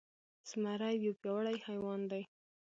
زمری يو پياوړی حيوان دی.